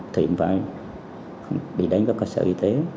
thì phải bị đánh các cơ sở y tế